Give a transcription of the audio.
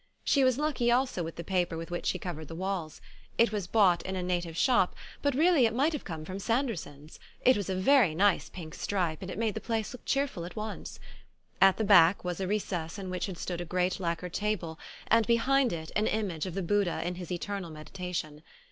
She was lucky also with the paper with which she covered the walls. It was bought in a native shop, but really it might have come from Sandersons'; it was a very nice pink stripe and it made the place look cheerful at once. At the back was a recess in which had stood a great lacquer table and behind it an image of the Buddha in his eternal meditation.